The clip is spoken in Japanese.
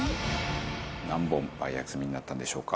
何本売約済みになったんでしょうか？